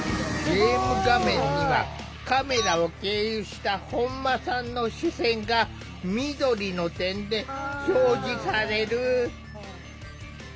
ゲーム画面にはカメラを経由した本間さんの視線が緑の点で表示される。